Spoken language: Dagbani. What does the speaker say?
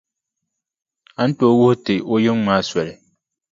A ni tooi wuhi ti o yiŋa maa soli.